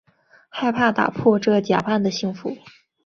害怕打破这假扮的幸福